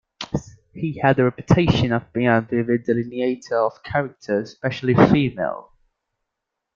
He had the reputation of being a vivid delineator of character, especially female.